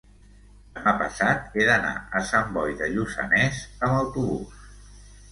demà passat he d'anar a Sant Boi de Lluçanès amb autobús.